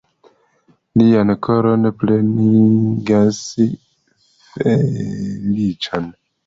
Lian koron plenigas feliĉo!